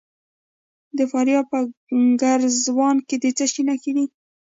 د فاریاب په ګرزوان کې د څه شي نښې دي؟